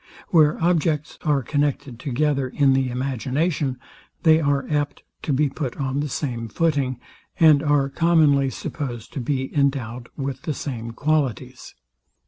Where objects are connected together in the imagination, they are apt to be put on the same footing, and are commonly supposed to be endowed with the same qualities.